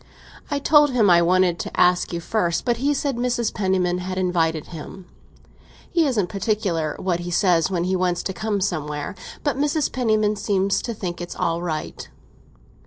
I told him I wanted to ask you first, but he said Mrs. Penniman had invited him. He isn't particular what he says when he wants to come somewhere! But Mrs. Penniman seems to think it's all right."